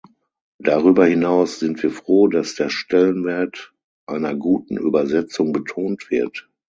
Darüber hinaus sind wir froh, dass der Stellenwert einer guten Übersetzung betont wird.